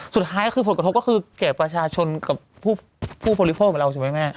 สุดท้ายก็คือผลกระทบก็คือแก่ประชาชนกับผู้บริโภคเหมือนเราถูกไหมแม่